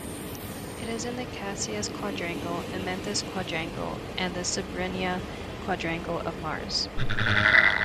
It is in the Casius quadrangle, Amenthes quadrangle, and the Cebrenia quadrangle of Mars.